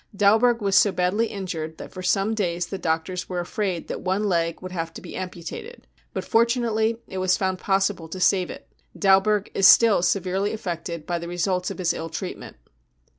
Dalberg was so badly injured that for some days the doctors were afraid that, one leg would have to be amputated, but fortunately it was found possible to save it. Dalberg is still severely affected by the results of his ill treatment.